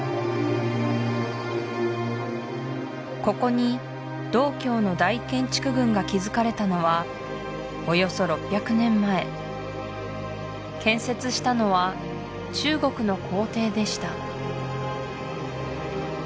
ここに道教の大建築群が築かれたのはおよそ６００年前建設したのは中国の皇帝でした